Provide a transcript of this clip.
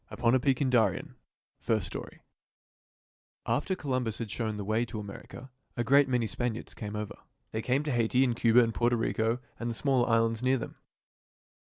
"UPON A PEAK IN DARIEN" FIRST STORY After Columbus had shown the way to America a great many Spaniards came over. They came to Haiti and Cuba and Porto Rico and the smaller islands near them.